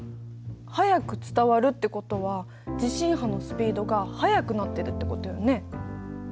速く伝わるってことは地震波のスピードが速くなってるってことよね？